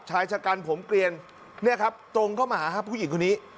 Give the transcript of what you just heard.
ชายชะกันผมเกลียนตรงเข้ามาหาผู้หญิงคนนี้